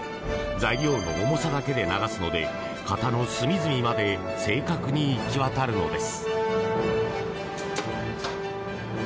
材料の重さだけで流すので型の隅々まで正確に行き渡るのです。